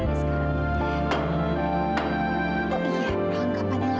oh iya perangkapan yang lainnya belum ada